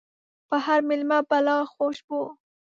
په هر ميلمه بلا خوشبو